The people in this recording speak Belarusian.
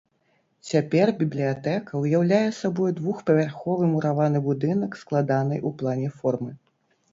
Цяпер бібліятэка ўяўляе сабой двухпавярховы мураваны будынак складанай у плане формы.